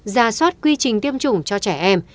ra soát quy trình tiêm chủng cho trẻ em